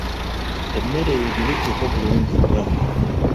Emmere eyo gibikkeko bulungi nnyo.